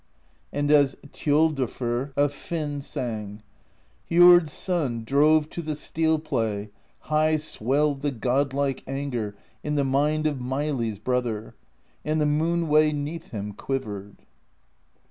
And as Thjodolfr of Hvin sang: Jord's Son drove to the steel play (High swelled the godlike anger In the mind of Meili's Brother), And the Moon Way 'neath him quivered.